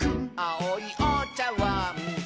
「あおいおちゃわん」